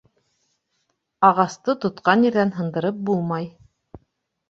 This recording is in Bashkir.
Ағасты тотҡан ерҙән һындырып булмай.